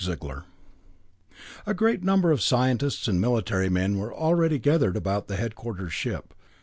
II A great number of scientists and military men were already gathered about the headquarters ship.